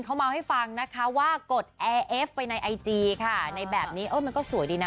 เขาเมาให้ฟังนะคะว่ากดแอร์เอฟไปในไอจีค่ะในแบบนี้มันก็สวยดีนะ